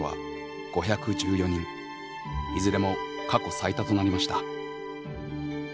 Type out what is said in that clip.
いずれも過去最多となりました。